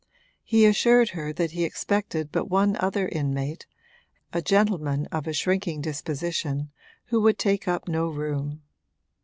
He assured her that he expected but one other inmate a gentleman of a shrinking disposition, who would take up no room.